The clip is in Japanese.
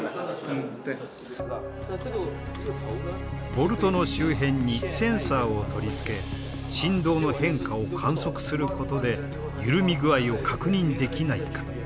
ボルトの周辺にセンサーを取り付け振動の変化を観測することで緩み具合を確認できないか。